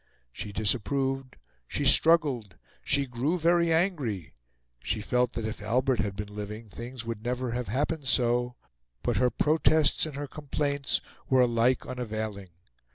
She disapproved, she struggled, she grew very angry; she felt that if Albert had been living things would never have happened so; but her protests and her complaints were alike unavailing.